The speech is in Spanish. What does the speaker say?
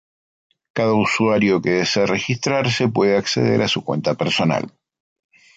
Cada usuario que desee registrarse, puede acceder a su cuenta personal.